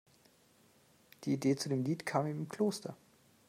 Die Idee zu dem Lied kam ihm im Kloster.